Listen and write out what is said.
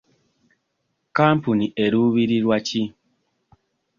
Kampuni eruubirirwa ki?